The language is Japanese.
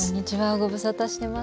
ご無沙汰してます。